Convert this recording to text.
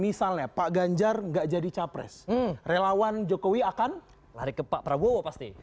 misalnya pak ganjar nggak jadi capres relawan jokowi akan lari ke pak prabowo pasti